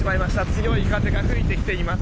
強い風が吹いてきています。